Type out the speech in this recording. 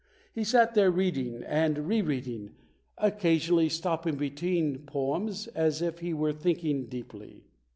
He sat there reading and re reading, occasionally stopping between poems as if he were thinking deeply.